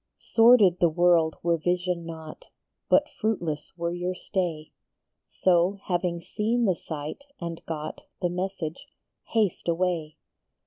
Sordid the world were vision not, But fruitless were your stay ; So, having seen the sight, and got The message, haste away.